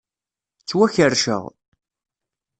Ttwakerrceɣ.